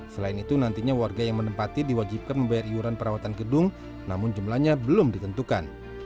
selain itu nantinya warga yang menempati diwajibkan membayar iuran perawatan gedung namun jumlahnya belum ditentukan